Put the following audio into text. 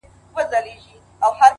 نن مي بيا يادېږي ورځ تېرېږي ـ